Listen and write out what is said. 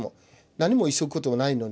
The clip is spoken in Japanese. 何も急ぐことないのに。